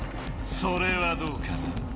それはどうかな？